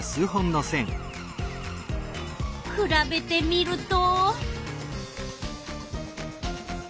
くらべてみると。